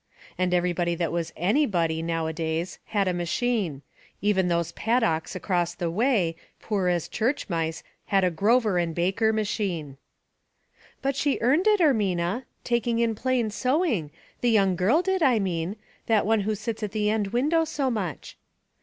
And everybody that was anyhodv now a days had a machine ; even those Paddocks across the way, poor as church mice, had a Gio ver & Baker machine. " But she earned it, Ermina, taking in plain sewing — the young girl did, I mean; that one who sits at the end window so much."